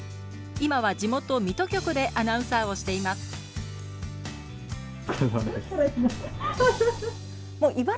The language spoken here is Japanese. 今は地元水戸局でアナウンサーをしていますお疲れさまでした。